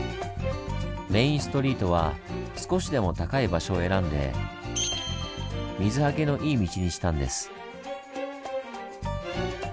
メインストリートは少しでも高い場所を選んで水はけのいい道にしたんです。